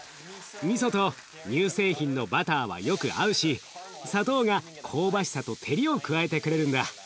みそと乳製品のバターはよく合うし砂糖が香ばしさと照りを加えてくれるんだ。